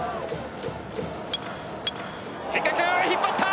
変化球、引っ張った。